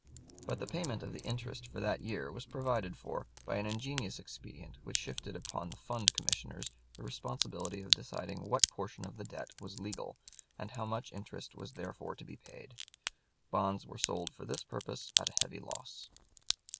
But the payment of the interest for that year was provided for by an ingenious expedient which shifted upon the Fund Commissioners the responsibility of deciding what portion of the debt was legal, and how much interest was therefore to be paid. Bonds were sold for this purpose at a heavy loss.